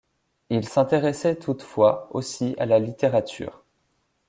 Il s'intéressait toutefois aussi à la littérature.